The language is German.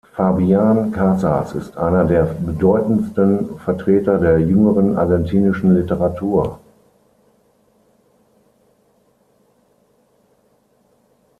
Fabián Casas ist einer der bedeutendsten Vertreter der jüngeren argentinischen Literatur.